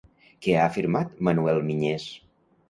Què ha afirmat Manuel Miñés?